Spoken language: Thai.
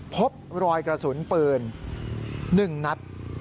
พบรอยกระสุนปืน๑นัด